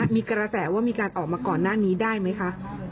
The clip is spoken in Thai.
มีกระแสว่ามีการออกมาก่อนหน้านี้ได้ไหมคะ